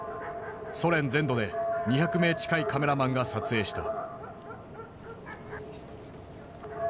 ソ連全土で２００名近いカメラマンが撮影した。